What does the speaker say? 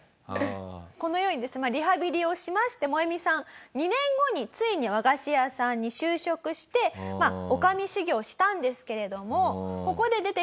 このようにリハビリをしましてモエミさん２年後についに和菓子屋さんに就職して女将修業をしたんですけれどもここで出てきた問題点がこちら。